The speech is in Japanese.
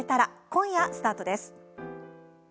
今夜スタートです。